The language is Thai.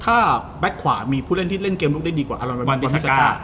แต่พี่ว่ามันมีกันแล้วช่วย